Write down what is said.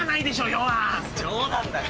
冗談だよ。